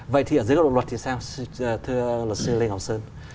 vậy thì ở dưới góc độ luật thì sao thưa luật sư lê ngọc sơn